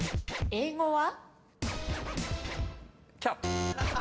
英語は？